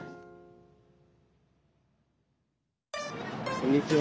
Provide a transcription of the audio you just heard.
こんにちは。